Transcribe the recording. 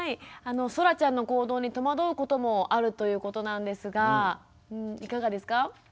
そらちゃんの行動に戸惑うこともあるということなんですがいかがですか？